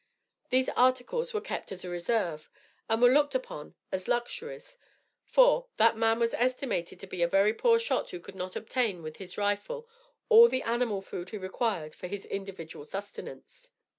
These articles were kept as a reserve, and were looked upon as luxuries; for, that man was estimated to be a very poor shot who could not obtain, with his rifle, all the animal food he required for his individual sustenance.